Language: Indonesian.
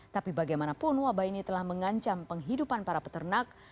tapi bagaimanapun wabah ini telah mengancam penghidupan para peternak